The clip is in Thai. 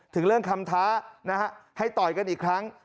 ถึงเรื่องคำท้านะฮะให้ต่อยกันอีกครั้ง